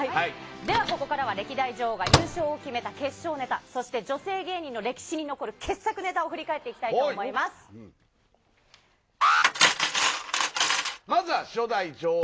ではここからは歴代女王が優勝を決めた決勝ネタ、そして女性芸人の歴史に残る傑作ネタを振り返っていきたいと思いまずは初代女王、